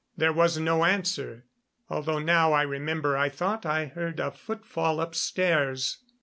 There was no answer, although now I remember I thought I heard a footfall upstairs.